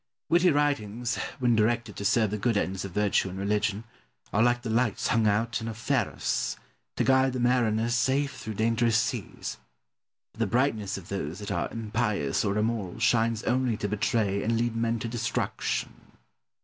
Witty writings, when directed to serve the good ends of virtue and religion, are like the lights hung out in a pharos, to guide the mariners safe through dangerous seas; but the brightness of those that are impious or immoral shines only to betray and lead men to destruction.